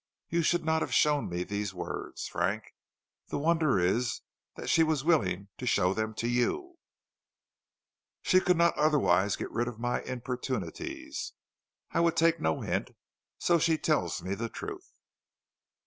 "You should not have shown me these words, Frank; the wonder is that she was willing to show them to you." "She could not otherwise get rid of my importunities. I would take no hint, and so she tells me the truth."